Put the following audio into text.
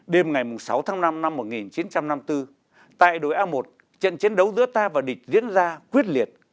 đêm ngày sáu tháng năm năm một nghìn chín trăm năm mươi bốn tại đồi a một trận chiến đấu giữa ta và địch diễn ra quyết liệt